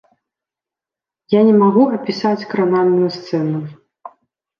Я не магу апісаць кранальную сцэну!